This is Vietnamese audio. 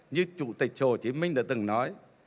như chủ tịch hồ chí minh đã từng nói